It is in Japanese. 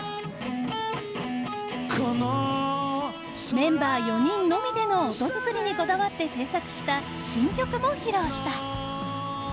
メンバー４人のみでの音作りにこだわって制作した新曲も披露した。